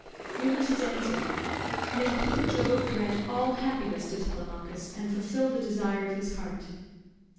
Ulysses answered, "May King Jove grant all happiness to Telemachus, and fulfil the desire of his heart."